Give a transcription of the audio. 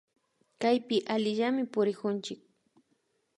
Kaypi allillami purikunchik